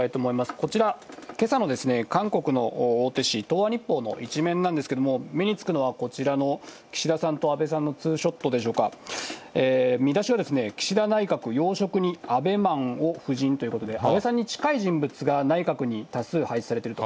こちら、けさの韓国の大手紙、東亜日報の１面なんですけども、目につくのはこちらの岸田さんと安倍さんのツーショットでしょうか、見出しは岸田内閣要職に、安倍マンを布陣ということで、安倍さんに近い人物が内閣に多数配置されてると。